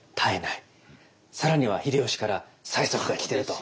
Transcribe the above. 更には秀吉から催促が来てると。